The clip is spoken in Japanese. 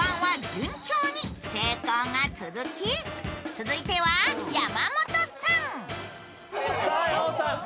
続いては山本さん。